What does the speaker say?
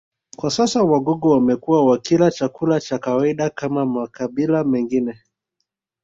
Kwa sasa Wagogo wamekuwa wakila chakula cha kawaida kama makabila mengine